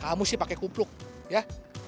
kamu sih pakai kupluk ya